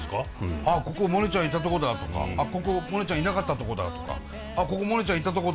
ああここモネちゃんいたとこだとかここモネちゃんいなかったとこだとか。